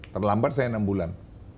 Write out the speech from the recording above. terlambat saya enam bulan